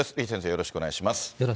よろしくお願いします。